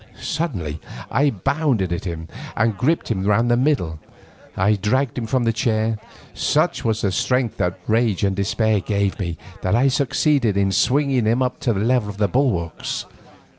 Suddenly I bounded at him, and gripping him round the middle, I dragged him from his chair. Such was the strength that rage and despair gave to me that I succeeded in swinging him up to the level of the bulwarks.